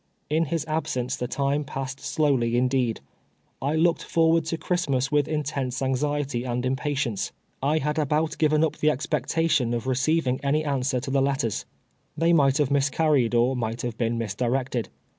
In his absence the time passed slowly indeed. I looked forward to Christmas with intense anxiety and impatience. I had about given up the expectation of 2TS TWKLTE TE^SJRS A 6LATE. recolvinij; any answer to tlic letters. They might liave niiscarrieil, oi nii^lit liuve been misdirected.